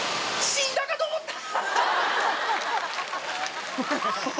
死んだかと思った。